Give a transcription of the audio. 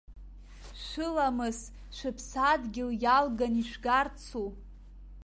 Шәыламыс шәыԥсадгьыл иалган ишәгарцу?